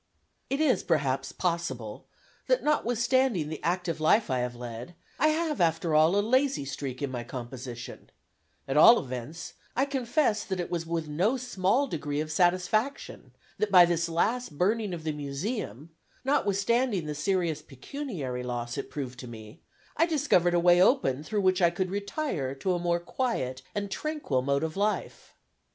It is, perhaps, possible that notwithstanding the active life I have led, I have after all a lazy streak in my composition; at all events, I confess it was with no small degree of satisfaction that by this last burning of the Museum, notwithstanding the serious pecuniary loss it proved to me, I discovered a way open through which I could retire to a more quiet and tranquil mode of life.